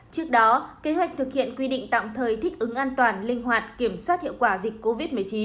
trước đó kế hoạch thực hiện quy định tạm thời thích ứng an toàn linh hoạt kiểm soát hiệu quả dịch covid một mươi chín